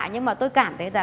nhưng mà tôi cảm thấy là